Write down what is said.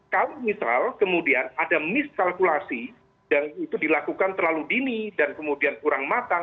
kalau misal kemudian ada miskalkulasi dan itu dilakukan terlalu dini dan kemudian kurang matang